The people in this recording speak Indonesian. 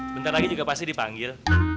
bentar lagi juga pasti dipanggil